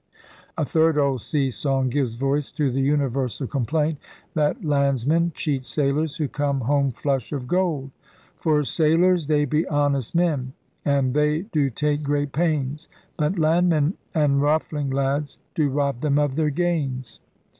A third old sea song gives voice to the universal complaint that landsmen cheat sailors who come home flush of gold. For Sailors they be honest men. And they do take great pains. But Land men and ruffling lads Do rob them of their gains.